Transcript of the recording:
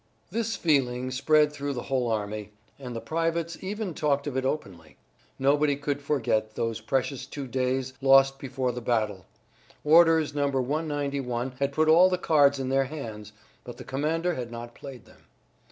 This feeling spread through the whole army, and the privates, even, talked of it openly. Nobody could forget those precious two days lost before the battle. Orders No. 191 had put all the cards in their hands, but the commander had not played them.